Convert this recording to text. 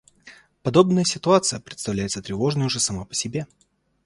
Подобная ситуация представляется тревожной уже сама по себе.